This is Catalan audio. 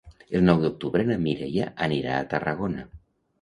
El nou d'octubre na Mireia anirà a Tarragona.